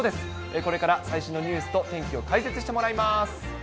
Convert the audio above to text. これから最新のニュースと天気を解説してもらいます。